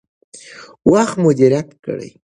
وخت مدیریت کړئ.